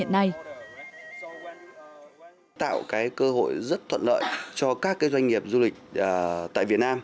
tạo cơ hội rất thuận lợi cho các doanh nghiệp du lịch tại việt nam